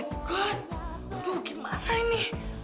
tuhan dulu gimana ini